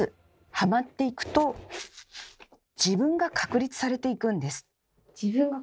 ハマっていくと自分が確立されていくんです。